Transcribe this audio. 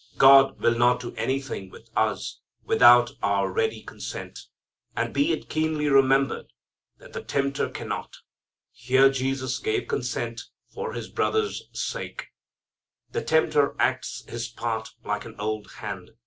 God will not do anything with us without our ready consent. And be it keenly remembered that the tempter cannot. Here Jesus gave consent for His brothers' sake. The tempter acts his part like an old hand.